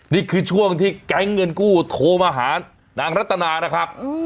นี่คือช่วงที่แก๊งเงินกู้โทรมาหานางรัตนานะครับ